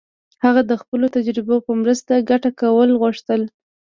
هغه د خپلو تجربو په مرسته ګټه کول غوښتل.